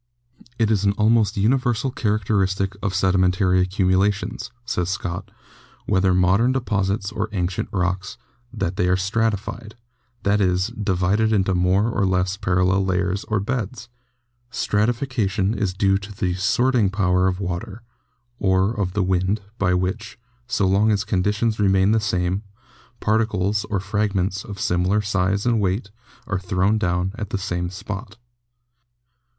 "It is an almost universal characteristic of sedimen tary accumulations," says Scott, "whether modern de posits or ancient rocks, that they are stratified; that is, divided into more or less parallel layers or beds. Strati 149 150 GEOLOGY fication is due to the sorting power of water, or of the wind, by which, so long as conditions remain the same, particles or fragments of similar size and weight are thrown down at the same spot.